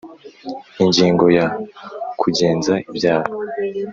Ingingo ya Kugenza ibyaha